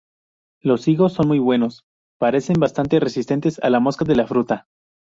Los higos son muy buenos, parecen bastante resistentes a la mosca de la fruta.